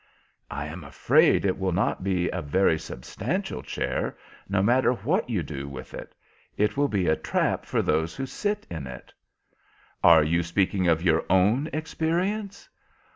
"I am afraid it will not be a very substantial chair, no matter what you do with it. It will be a trap for those who sit in it." "Are you speaking of your own experience?"